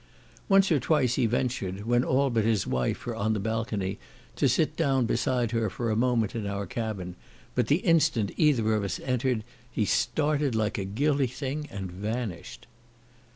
Once or twice he ventured, when all but his wife were on the balcony, to sit down beside her for a moment in our cabin, but the instant either of us entered, he started like a guilty thing and vanished.